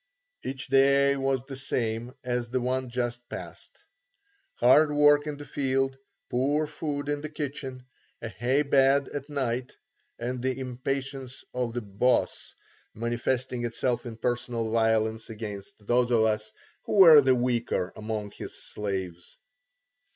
Each day was the same as the one just past; hard work in the field, poor food in the kitchen, a hay bed at night, and the impatience of the "Boss" manifesting itself in personal violence against those of us who were the weaker among his slaves.